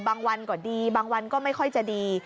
บางวันก็ดีบางวันก็ไม่ค่อยจะดี